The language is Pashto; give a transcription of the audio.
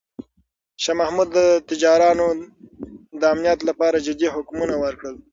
شاه محمود د تجارانو د امنیت لپاره جدي حکمونه ورکړل.